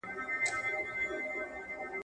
د هر قام چي يو ځل وېره له دښمن سي.